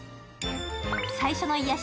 最初の癒やし